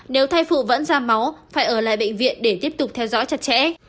nếu thai phụ vẫn ra máu phải ở lại bệnh viện để tiếp tục theo dõi chặt chẽ